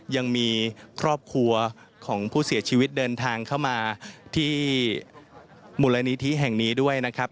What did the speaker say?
ยังมีครอบครัวของผู้เสียชีวิตเดินทางเข้ามาที่มูลนิธิแห่งนี้ด้วยนะครับ